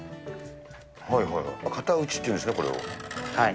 型打ちっていうんですね、これを。